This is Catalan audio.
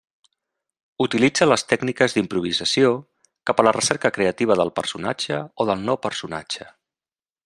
Utilitza les tècniques d'improvisació cap a la recerca creativa del personatge o del no-personatge.